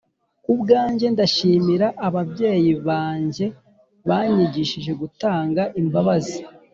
Kubwanjye ndashimira ababyeyi babnjye banyigishije gutanga imbabazi